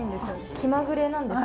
気まぐれなんですか？